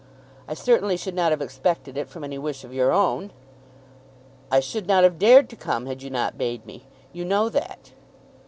"I certainly should not have expected it from any wish of your own." "I should not have dared to come, had you not bade me. You know that."